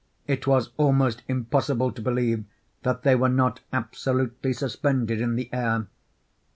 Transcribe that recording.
It was almost impossible to believe that they were not absolutely suspended in the air.